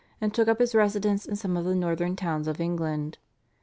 and took up his residence in some of the northern towns of England.